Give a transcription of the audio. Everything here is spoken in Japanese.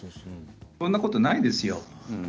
そんなことないですよ。